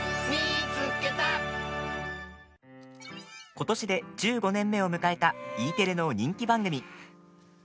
今年で１５年目を迎えたＥテレの人気番組。